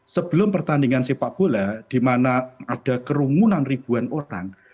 sebelum pertandingan sepak bola di mana ada kerumunan ribuan orang